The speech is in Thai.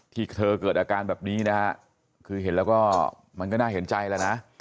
ที่เธอเกิดอาการแบบนี้นะฮะคือเห็นแล้วก็มันก็น่าเห็นใจแล้วนะ